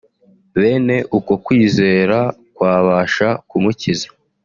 Bene uko kwizera kwabasha kumukiza